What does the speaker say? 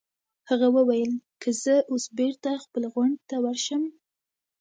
هغه وویل: که زه اوس بېرته خپل غونډ ته ورشم.